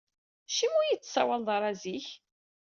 Acimi ur iyi-d-tsawleḍ ara zik?